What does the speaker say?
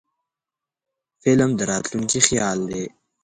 فلم د راتلونکي خیال دی